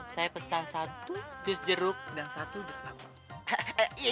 saya pesan satu bis jeruk dan satu bis apel